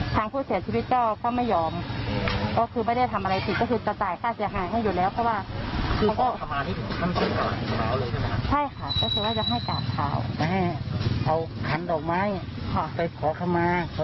แต่ขอเข้ามาขอจริงจังยิงยอม